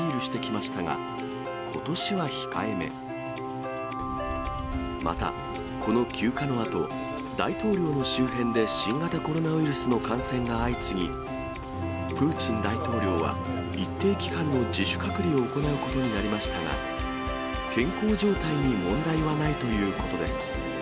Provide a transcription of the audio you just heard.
また、この休暇のあと、大統領の周辺で新型コロナウイルスの感染が相次ぎ、プーチン大統領は一定期間の自主隔離を行うことになりましたが、健康状態に問題はないということです。